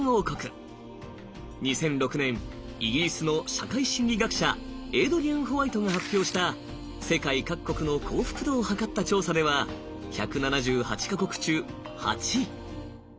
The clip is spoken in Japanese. ２００６年イギリスの社会心理学者エイドリアン・ホワイトが発表した世界各国の幸福度をはかった調査では１７８か国中８位。